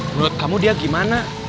menurut kamu dia gimana